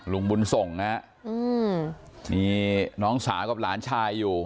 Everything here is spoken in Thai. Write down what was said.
ลุงบุญส่งนะฮะมีน้องสาวกับหลานชายอยู่